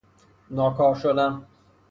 ناکار شدن